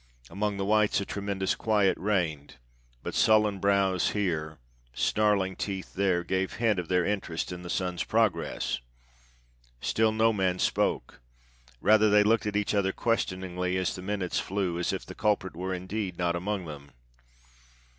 Among the whites a tremendous quiet reigned; but sullen brows here, snarling teeth there, gave hint of their interest in the sun's progress. Still no man spoke. Rather they looked at each other questioningly as the minutes flew, as if the culprit were indeed not among them.